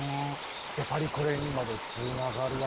でパリコレにまでつながるわけですか？